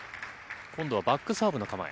今度はバックサーブの構え。